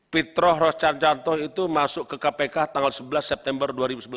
fitroh roca yanto itu masuk ke kpk tanggal sebelas september dua ribu sebelas